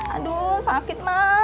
aduh sakit mai